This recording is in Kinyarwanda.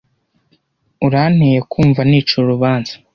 Uranteye kumva nicira urubanza.